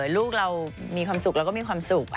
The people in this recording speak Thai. ลูกเรามีความสุขเราก็มีความสุข